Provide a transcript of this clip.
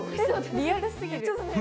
リアルすぎる。